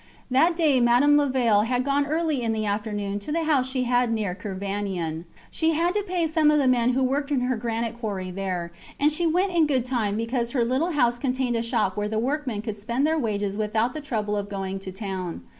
That day Madame Levaille had gone early in the afternoon to the house she had near Kervanion. She had to pay some of the men who worked in her granite quarry there, and she went in good time because her little house contained a shop where the workmen could spend their wages without the trouble of going to town.